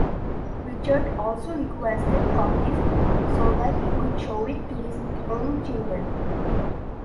Richard also requested copies so that he could show it to his own children.